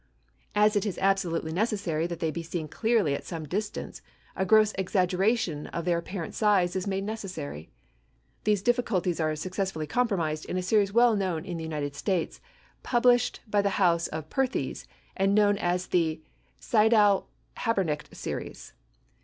As it is absolutely necessary that they be seen clearly at some distance, a gross exaggeration of their apparent size is made necessary. These difficulties are successfully compromised in a series well known in the United States, published by the house of Perthes, and known as the Sydow Habenicht series.